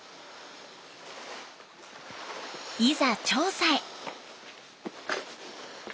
いざ調査へ。